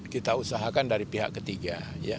kita usahakan dari pihak ketiga